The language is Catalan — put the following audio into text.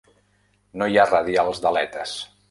No hi ha radials d'aletes.